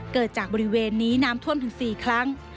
เกิดจากบริเวณนี้น้ำท่วมถึง๔ครั้ง